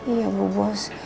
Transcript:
iya bu bos